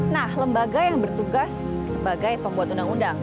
nah lembaga yang bertugas sebagai pembuat undang undang